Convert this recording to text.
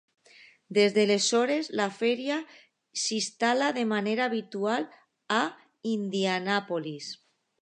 Des d'aleshores, la feria s'instal·la de manera habitual a Indianapolis.